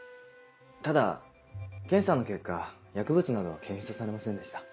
ただ検査の結果薬物などは検出されませんでした。